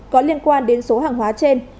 có liên quan đến số hàng hóa trên